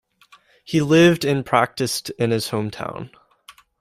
He lived and practised in his hometown.